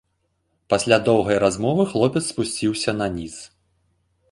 Пасля доўгай размовы хлопец спусціўся наніз.